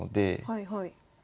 はいはい。